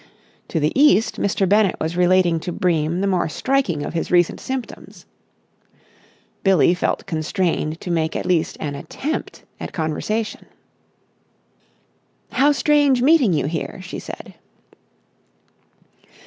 To the east, Mr. Bennett was relating to Bream the more striking of his recent symptoms. Billie felt constrained to make at least an attempt at conversation. "How strange meeting you here," she said.